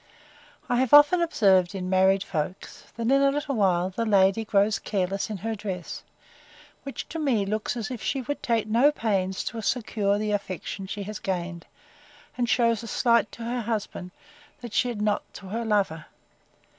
I have often observed, in married folks, that, in a little while, the lady grows careless in her dress; which, to me, looks as if she would take no pains to secure the affection she had gained; and shews a slight to her husband, that she had not to her lover.